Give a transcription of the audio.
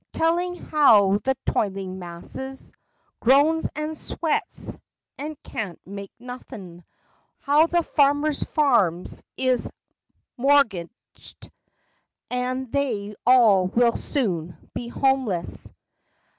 Tellin' how the toilin' masses Groans and sweats and can't make nothin' How the farmer's farms is morgitcht, And they all will soon be homeless. FACTS AND FANCIES.